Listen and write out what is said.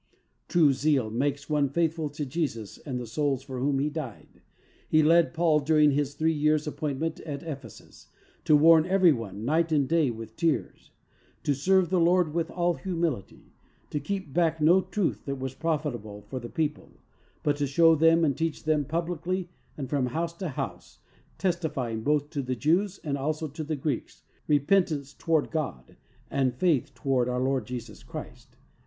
True zeal makes one faithful to Jesus and the souls for whom He died. It led Paul during his three years' appointment at Ephesus "to warn everyone night and day with tears/' to "serve the Lord with all humility," to keep back no truth that was profitable for the people, but to show them and teach them "publicly and from house to house, testifying both to the Jews and also to the Greeks, repentance toward God and faith toward our Lord Jesus Christ."